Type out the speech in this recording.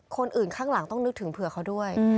คนอื่นข้างหลังต้องนึกถึงเผื่อเขาด้วย